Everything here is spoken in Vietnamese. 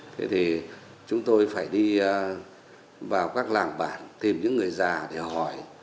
thế thì chúng tôi phải đi vào các làng bản tìm những người già để hỏi